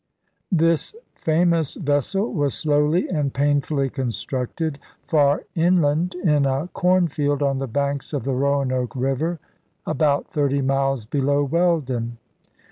This famous vessel was slowly and painfully constructed, far inland, in a cornfield on the banks of the Roanoke River, about thirty miles below Weldon.